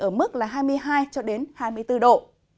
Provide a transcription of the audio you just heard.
ở mức là hai mươi hai hai mươi bốn độ